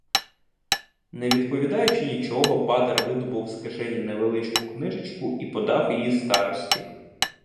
Не відповідаючи нічого, патер видобув з кишені невеличку книжечку і подав її старості.